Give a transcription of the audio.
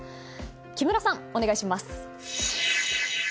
木村さん、お願いします。